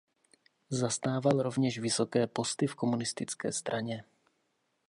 Zastával rovněž vysoké posty v komunistické straně.